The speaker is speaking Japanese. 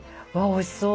おいしそう。